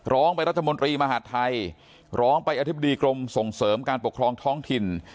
ร้องไปรัฐมนตรีมหาดไทยร้องไปอธิบดีกรมส่งเสริมการปกครองท้องถิ่น